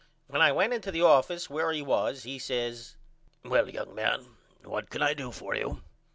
When I went into the office where he was at he says Well young man what can I do for you?